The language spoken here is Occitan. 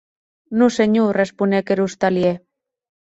Non senhor, responec er ostalièr.